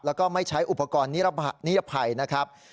แล้วก็ไม่ใช้อุปกรณ์นิรภัยนะครับ